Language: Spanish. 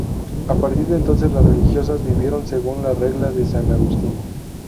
A partir de entonces las religiosas vivieron según la Regla de San Agustín.